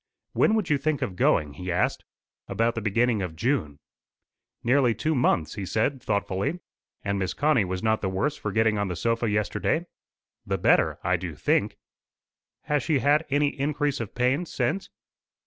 "When would you think of going?" he asked. "About the beginning of June." "Nearly two months," he said, thoughtfully. "And Miss Connie was not the worse for getting on the sofa yesterday?" "The better, I do think." "Has she had any increase of pain since?"